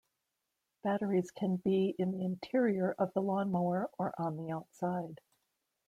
Batteries can be in the interior of the lawn mower or on the outside.